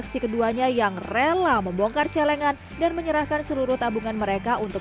si keduanya yang rela membongkar celengan dan menyerahkan seluruh tabungan mereka untuk